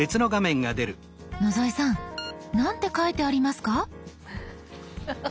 野添さんなんて書いてありますか？